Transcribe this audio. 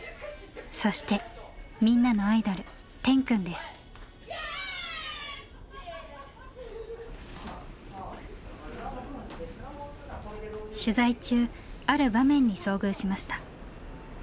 そしてみんなのアイドル取材中ある場面に遭遇しました。